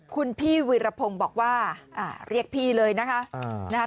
คุณพี่วีรพงศ์บอกว่าเรียกพี่เลยนะคะ